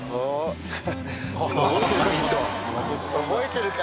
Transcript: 覚えてるか？